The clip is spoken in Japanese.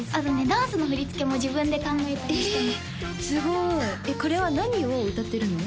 ダンスの振り付けも自分で考えたりしたのえすごいえっこれは何を歌ってるの？